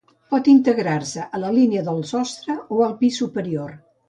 Pot integrar-se a la línia del sostre o al pis superior.